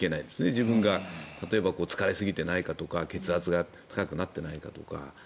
自分が例えば疲れすぎていないかとか血圧が高くなりすぎていないかとか。